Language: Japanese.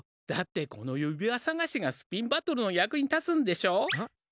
だってこの指輪さがしがスピンバトルの役に立つんでしょ？